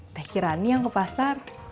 teh kirani yang ke pasar